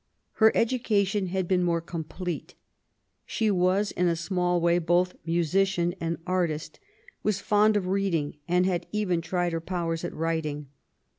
Her education had been more complete. She was in a small way both musician and artist, was fond of reading, and had even tried her powers at writing.